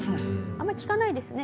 あんまり聞かないですね